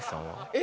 え！